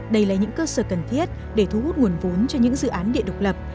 đây là những cơ sở cần thiết để thu hút nguồn vốn cho những dự án địa độc lập